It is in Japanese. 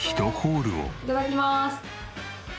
いただきます。